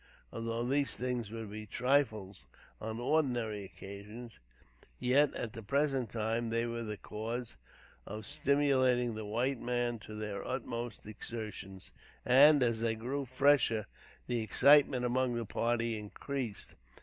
Although these things would be trifles on ordinary occasions, yet, at the present time, they were the cause of stimulating the white men to their utmost exertions; and, as they grew fresher, the excitement among the party increased.